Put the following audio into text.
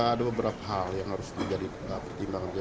ada beberapa hal yang harus dipertimbangkan